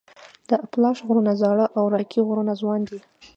د اپلاش غرونه زاړه او راکي غرونه ځوان دي.